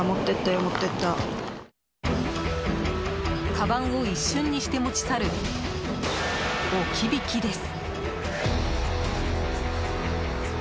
かばんを一瞬にして持ち去る置き引きです。